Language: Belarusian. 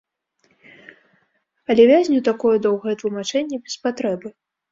Але вязню такое доўгае тлумачэнне без патрэбы.